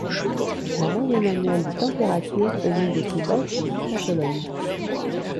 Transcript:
La moyenne annuelle des températures est l'une de plus basses de toute la Pologne.